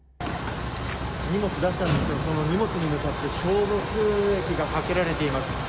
荷物出したんですけど、その荷物に向かって、消毒液がかけられています。